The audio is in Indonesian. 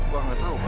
wah gak tau pak